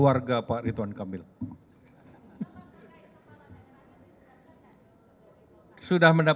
jangan ada yang mengasih jawabannya